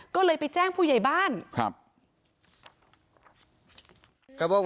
ก็เลยไปแจ้งผู้ใหญ่บ้านครับ